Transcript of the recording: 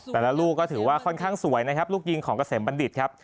แต่ละลูกก็ถือว่าค่อนข้างสวยนะครับลูกยิงของเกษมบัณฑิตครับ